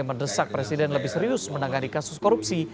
mendesak presiden lebih serius menangani kasus korupsi